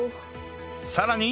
さらに